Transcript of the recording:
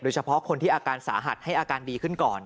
เฉพาะคนที่อาการสาหัสให้อาการดีขึ้นก่อน